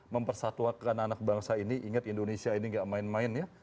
mempersatuakan anak bangsa ini ingat indonesia ini gak main main ya